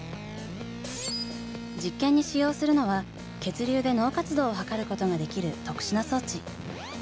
実験に使用するのは血流で脳活動を測ることができる特殊な装置。